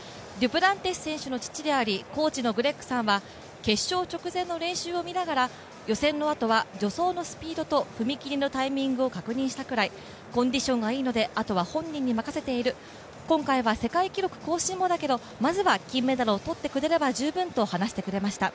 コーチのグレッグさんは、決勝直前の練習を見ながら予選のあとは助走のスピードと踏み切りのタイミングを確認したくらい、コンディションがいいので、あとは本人に任せている、今回は世界記録更新もだけれども、まずは金メダルを取ってくれれば十分と話してくれました。